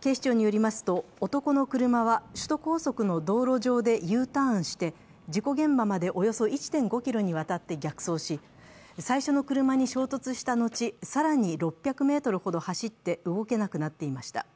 警視庁によりますと、男の車は、首都高速の道路上でＵターンして事故現場までおよそ１．５ｋｍにわたって逆走し、最初の車に衝突した後、更に６００ｍほど走って動けなくなっていました。